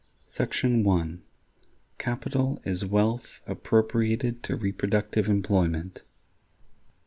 § 1. Capital is Wealth Appropriated to Reproductive Employment.